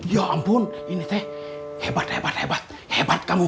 ya ampun ini hebat hebat kamu